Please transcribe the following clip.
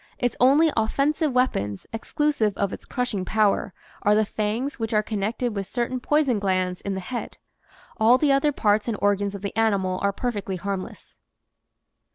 Its only offensive weapons (exclusive of its crushing power) are the fangs which are connected with certain poison glands in the head. All the other parts and organs of the animal are perfectly harmless.